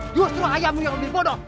he justru ayammu yang lebih bodoh